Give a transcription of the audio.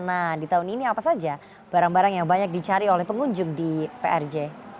nah di tahun ini apa saja barang barang yang banyak dicari oleh pengunjung di prj